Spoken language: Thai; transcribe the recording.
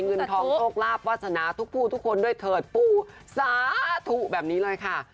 เงินทองโชคลาภวาสนาทุกผู้ทุกคนด้วยเถิดผู้สาธุแบบนี้เลยค่ะ